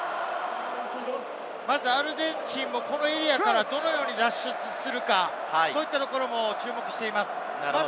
アルゼンチンもこのエリアからどのように脱出するか、そういったところも注目しています。